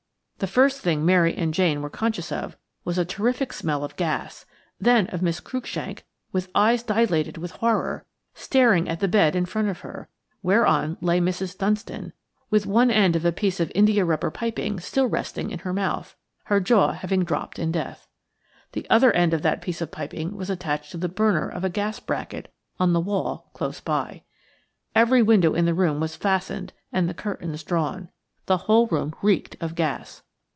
The first thing Mary and Jane were conscious of was a terrific smell of gas, then of Miss Cruikshank, with eyes dilated with horror, staring at the bed in front of her, whereon lay Mrs. Dunstan, with one end of a piece of indiarubber piping still resting in her mouth, her jaw having dropped in death. The other end of that piece of piping was attached to the burner of a gas bracket on the wall close by. Every window in the room was fastened and the curtains drawn. The whole room reeked of gas.